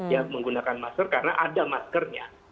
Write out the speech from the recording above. ya menggunakan masker karena ada maskernya